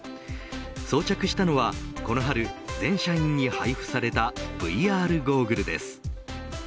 装着したのはこの春全社員に配布されたＶＲゴーグルです。